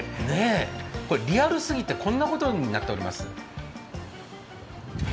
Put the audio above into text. これ、リアルすぎてこんなことになっております。